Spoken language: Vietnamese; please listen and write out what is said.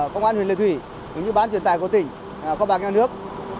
công an huyện lê thủy bán truyền tài cổ tỉnh công an bạc nhà nước